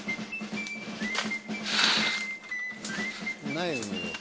ないのよ